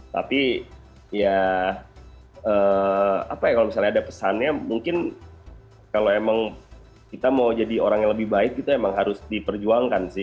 tapi ya apa ya kalau misalnya ada pesannya mungkin kalau emang kita mau jadi orang yang lebih baik gitu emang harus diperjuangkan sih